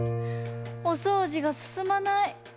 おそうじがすすまない。